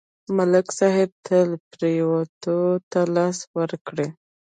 ملک صاحب تل پرېوتو ته لاس ورکړی.